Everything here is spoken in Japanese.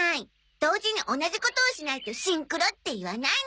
同時に同じことをしないとシンクロって言わないのよ。